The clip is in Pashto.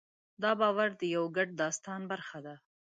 دا باور د یوه ګډ داستان برخه ده.